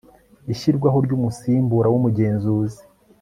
ishyirwaho ry umusimbura w umugenzuzi